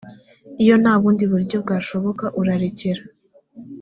iyo nta bundi buryo bwashoboka urarekera